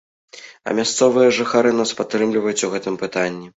А мясцовыя жыхары нас падтрымліваюць у гэтым пытанні.